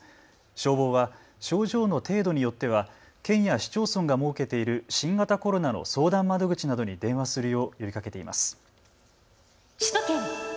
消防は症状の程度によっては県や市町村が設けている新型コロナの相談窓口などに電話するよう呼びかけています。